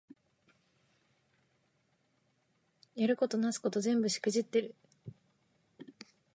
やることなすこと全部しくじってる